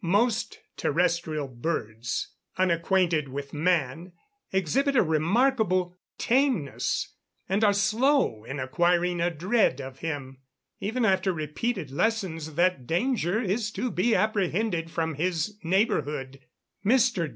Most terrestrial birds, unacquainted with man, exhibit a remarkable tameness, and are slow in acquiring a dread of him, even after repeated lessons that danger is to be apprehended from his neighbourhood. Mr.